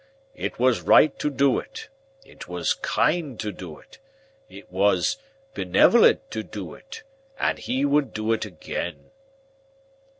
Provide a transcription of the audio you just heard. It was right to do it, it was kind to do it, it was benevolent to do it, and he would do it again.